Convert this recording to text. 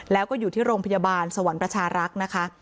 แล้วก็อยู่ที่โรงพยาบาลสวรรค์ประชารักษ์นะคะ